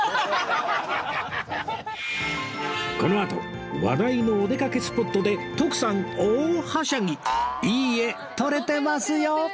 このあと話題のお出かけスポットで徳さん大はしゃぎ！いい画撮れてますよ！